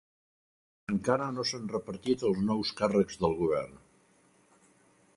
Encara no s'han repartit els nous càrrecs del govern